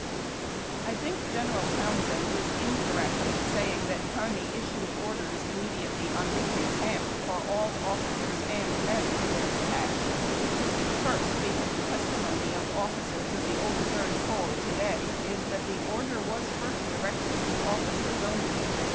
*' I tliink General Townsend is incorrect in saying that Kearny issued orders immediately on reaching camp for all "officers and men " to wear the patch; first, because the testimou}^ of officers of the old Third Corps to day is that the order was first directed to officers only.